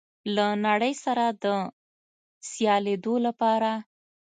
له نړۍ سره د سیالېدو لپاره